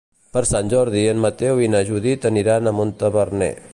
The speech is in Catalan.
Per Sant Jordi en Mateu i na Judit aniran a Montaverner.